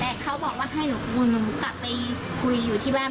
แต่เขาบอกว่าให้หนูกลับไปคุยอยู่ที่บ้าน